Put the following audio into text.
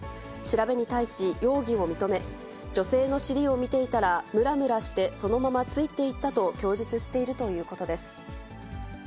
調べに対し、容疑を認め、女性の尻を見ていたらむらむらしてそのままついていったと供述しているということです。